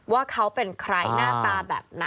ว่าเขาเป็นใครหน้าตาแบบไหน